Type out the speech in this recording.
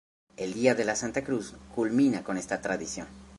El día de la Santa Cruz culmina con esta tradición.